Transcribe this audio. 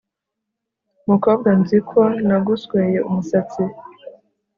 mukobwa nzi ko nagusweye umusatsi